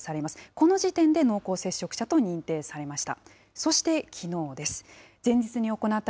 この時点で濃厚接触者と認定されました。